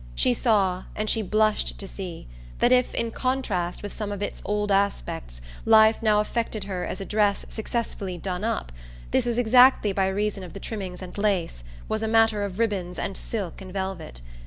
She saw, and she blushed to see, that if in contrast with some of its old aspects life now affected her as a dress successfully "done up," this was exactly by reason of the trimmings and lace, was a matter of ribbons and silk and velvet.